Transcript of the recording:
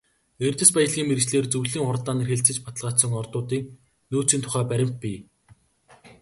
Эрдэс баялгийн мэргэжлийн зөвлөлийн хуралдаанаар хэлэлцэж баталгаажсан ордуудын нөөцийн тухай баримт бий.